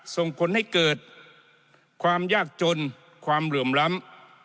ส่งผลให้เกิดความยากจนความเหลื่อมล้ำ